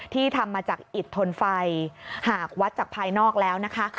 ทำมาจากอิดทนไฟหากวัดจากภายนอกแล้วนะคะ